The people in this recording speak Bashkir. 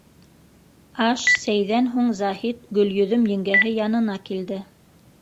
Аш, сәйҙән һуң Заһит Гөлйөҙөм еңгәһе янына килде.